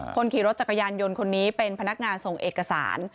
คนขี่รถจักรยานยนต์คนนี้เป็นพนักงานส่งเอกสาร